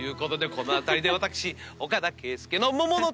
この辺りで。